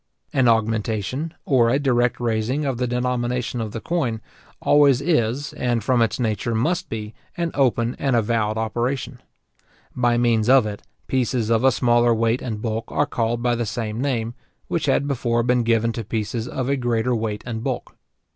An augmentation, or a direct raising of the denomination of the coin, always is, and from its nature must be, an open and avowed operation. By means of it, pieces of a smaller weight and bulk are called by the same name, which had before been given to pieces of a greater weight and bulk.